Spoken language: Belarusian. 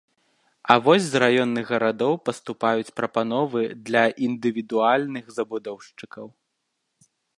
А вось з раённых гарадоў паступаюць прапановы для індывідуальных забудоўшчыкаў.